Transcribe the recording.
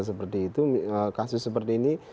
seperti itu kasus seperti ini